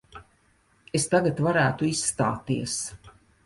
Es tagad varētu izstāties.